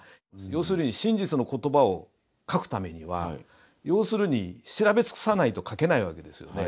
要するに真実の言葉を書くためには要するに調べ尽くさないと書けないわけですよね。